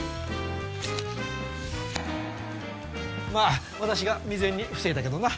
ま私が未然に防いだけどな。